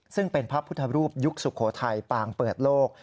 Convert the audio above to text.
ซึ่งเป็นพระพุทธรูปยุคสุโขทัยปางเปิดโลก